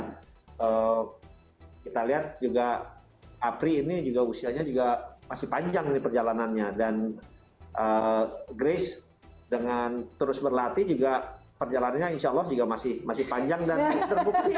kita lihat juga apri ini juga usianya juga masih panjang nih perjalanannya dan grace dengan terus berlatih juga perjalanannya insya allah juga masih panjang dan terbukti